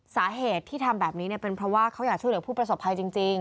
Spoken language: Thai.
สาเหตุที่ทำแบบนี้เป็นเพราะว่าเขาอยากช่วยเหลือผู้ประสบภัยจริง